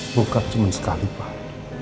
bukan cuman sekali pak